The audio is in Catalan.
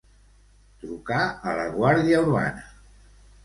Trucar a la Guàrdia Urbana.